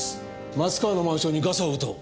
松川のマンションにガサを打とう。